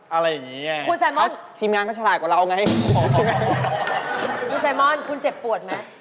อะไรอย่างนี้ไงทีมงานก็ฉลาดกว่าเราไงขอขอขอคุณแซมอนคุณเจ็บปวดไหม